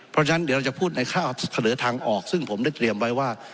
เพราะฉะนั้นเดี๋ยวเราจะพูดในข้อเสนอทางออกซึ่งผมได้เตรียมไว้ว่า